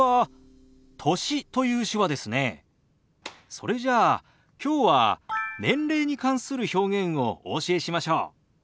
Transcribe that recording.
それじゃあきょうは年齢に関する表現をお教えしましょう。